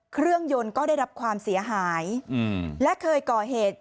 เครื่องยนต์ก็ได้รับความเสียหายอืมและเคยก่อเหตุ